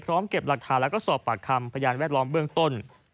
พร้อมเก็บหลักฐานและสอบปากคำที่พยานแวดล้อมเบื้องต้น